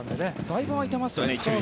だいぶ空いていましたよね。